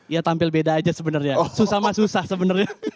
ya tampil beda aja sebenarnya susah mah susah sebenarnya